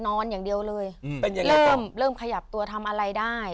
นอนอย่างเดียวเลยเป็นยังไงก็เริ่มเริ่มขยับตัวทำอะไรได้